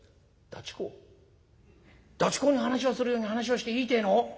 ダチ公に話をするように話をしていいってえの？